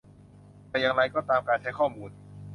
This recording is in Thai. แต่อย่างไรก็ตามการใช้ข้อมูล